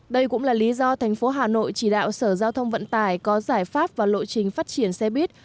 đây cũng là lý do thành phố hà nội chỉ đạo sở giao thông vận tải có giải pháp và lộ trình phát triển xe buýt